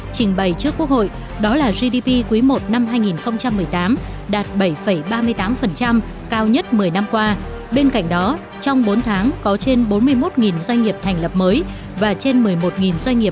xin chào và hẹn gặp lại